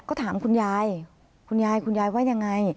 ก็ถามคุณยายคุณยายคุณยายว่ายังไง